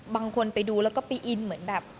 บางคนไปดูแล้วก็ไปอินเหมือนแบบ